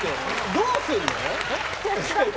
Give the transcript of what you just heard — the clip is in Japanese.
どうするの？